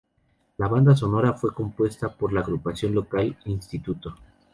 La banda sonora fue compuesta por la agrupación local Instituto.